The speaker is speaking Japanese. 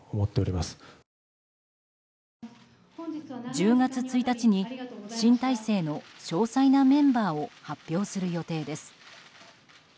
１０月１日に新体制の詳細なメンバーを発表する予定です。